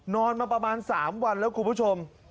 นอนมาประมาณ๓วันแล้วคุณผู้ชม